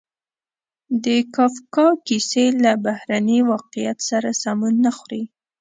د کافکا کیسې له بهرني واقعیت سره سمون نه خوري.